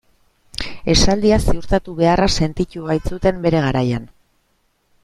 Esaldia ziurtatu beharra sentitu baitzuten bere garaian.